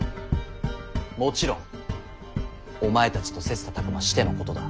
もちろんお前たちと切磋琢磨してのことだ。